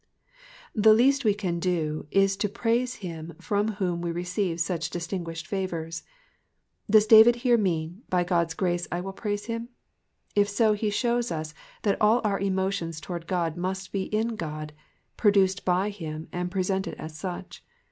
The least we can do is to praise him from whom we receive such distinguished favours. Does David here mean by God's grace I will praise him "? If so, he shows us that all our emotions towards God must be in God, produced by him and presented as such.